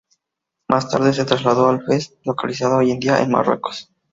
Más tarde, se trasladó a Fez, localizada hoy en día en Marruecos.